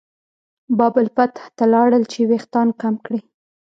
باب الفتح ته لاړل چې وېښتان کم کړي.